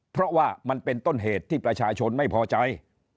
เพราะว่ามันเป็นต้นเหตุที่ประชาชนไม่พอใจ